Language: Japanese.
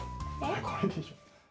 えっこれでしょ。